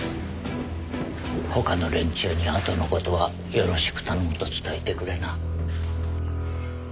他の連中にあとの事はよろしく頼むと伝えてくれな。